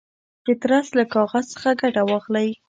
د ترس له کاغذ څخه ګټه واخلئ.